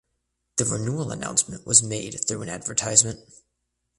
The renewal announcement was made through an advertisement.